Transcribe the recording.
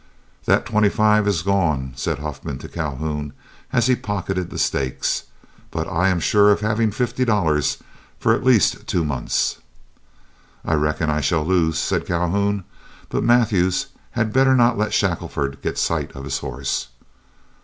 "That twenty five is gone," said Huffman to Calhoun, as he pocketed the stakes, "but I am sure of having fifty dollars for at least two months." "I reckon I shall lose," said Calhoun, "but Mathews had better not let Shackelford get sight of his horse."